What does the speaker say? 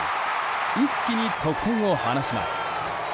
一気に得点を離します。